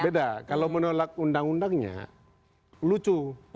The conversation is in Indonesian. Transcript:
beda kalau menolak undang undangnya lucu